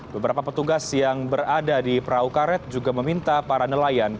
beberapa petugas yang berada di perahu karet juga meminta para nelayan